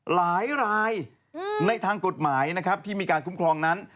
หลายรายในทางกฎหมายนะครับที่มีการคุ้มครองนั้น